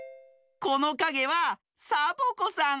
このかげはサボ子さん。